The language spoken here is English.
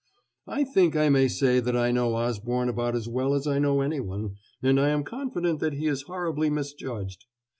"I think I may say that I know Osborne about as well as I know anyone, and I am confident that he is horribly misjudged.